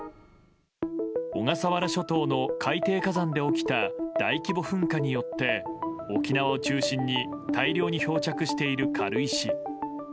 小笠原諸島の海底火山で起きた大規模噴火によって沖縄を中心に大量に漂着している軽石。